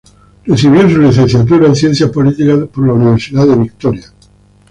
Recibió su licenciatura en ciencias políticas de la Universidad de Victoria.